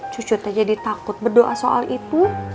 cucu tak jadi takut berdoa soal itu